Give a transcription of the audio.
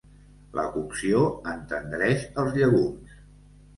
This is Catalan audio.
La cocció entendreix els llegums.